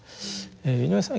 井上さん